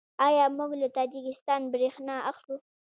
آیا موږ له تاجکستان بریښنا اخلو؟